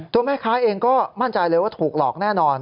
ตัวแม่ค้าเองก็มั่นใจเลยว่าถูกหลอกแน่นอน